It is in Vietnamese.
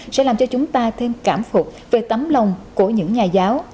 sẽ làm cho chúng ta thêm cảm phục về tấm lòng của những nhà giáo